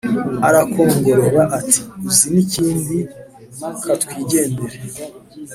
arakongorera ati uzi n ikindi katwigendere.